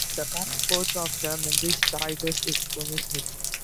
The current coach of the Memphis Tigers is Tubby Smith.